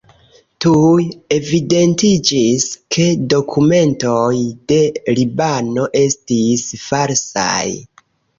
Tuj evidentiĝis, ke dokumentoj de Libano estis falsaj.